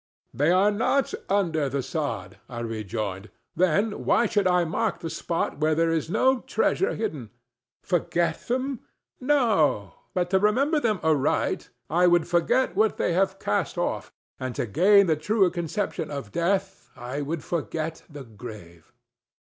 "They are not under the sod," I rejoined; "then why should I mark the spot where there is no treasure hidden? Forget them? No; but, to remember them aright, I would forget what they have cast off. And to gain the truer conception of death I would forget the grave."